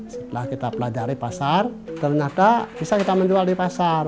setelah kita pelajari pasar ternyata bisa kita menjual di pasar